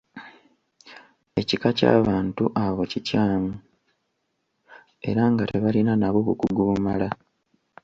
Ekika ky’abantu abo kikyalimu era nga tebalina nabo bukugu bumala.